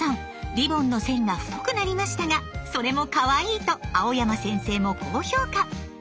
リボンの線が太くなりましたがそれもかわいいと蒼山先生も高評価。